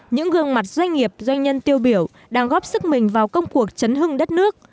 những gương mặt doanh nghiệp doanh nhân tiêu biểu đang góp sức mình vào công cuộc chấn hương đất nước